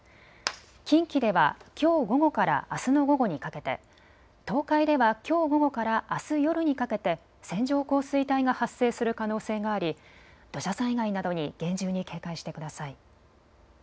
近畿ではきょう午後からあすの午後にかけて、東海ではきょう午後からあす夜にかけて線状降水帯が発生する可能性があり土砂災害などに厳重に警戒してください。